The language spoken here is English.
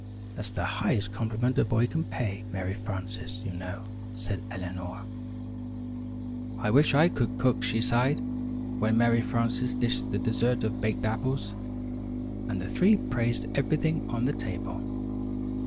"That's the highest compliment a boy can pay, Mary Frances, you know," said Eleanor. "I wish I could cook," she sighed, when Mary Frances dished the dessert of Baked Apples, and the three praised everything on the table.